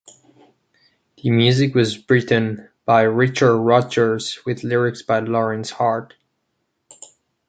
The music was written by Richard Rodgers, with lyrics by Lorenz Hart.